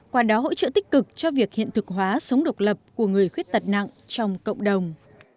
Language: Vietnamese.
qua đó hỗ trợ tích cực cho việc hiện thực hóa sống độc lập của người khuyết tật nặng trong cộng đồng